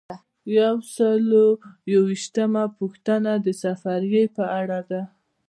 یو سل او یو ویشتمه پوښتنه د سفریې په اړه ده.